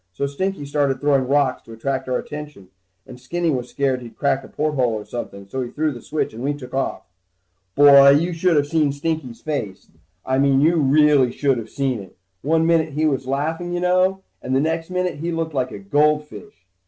So Stinky started throwing rocks to attract our attention, and Skinny was scared that he'd crack a porthole or something, so he threw the switch and we took off. Boy, you should of seen Stinky's face. I mean you really should of seen it. One minute he was laughing you know, and the next minute he looked like a goldfish.